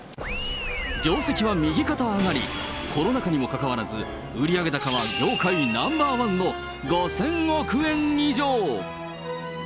業績は右肩上がり、コロナ禍にもかかわらず、売上高は業界ナンバー１の５０００億円以上。